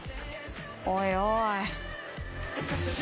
おいおい。